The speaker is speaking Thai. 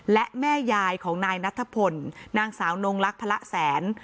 และแม่ยายของนายนัทพลนางสาวนงลักษณ์พระแสน